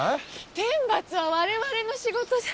天罰は我々の仕事じゃ。